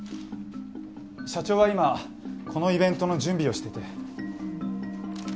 社長は今このイベントの準備をしてて。